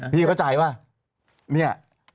พี่เข้าใจป่ะเนี่ย